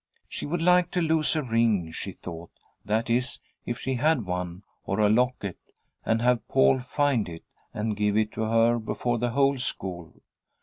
She would like to lose a ring, she thought, that is, if she had one, or a locket, and have Paul find it, and give it to her before the whole school.